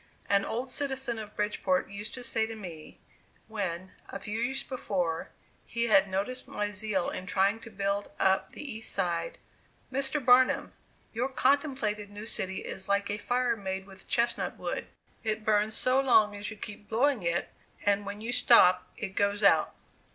An old citizen of Bridgeport used to say to me, when, a few years before, he had noticed my zeal in trying to build up the east side: "Mr. Barnum, your contemplated new city is like a fire made with chestnut wood; it burns so long as you keep blowing it, and when you stop, it goes out!"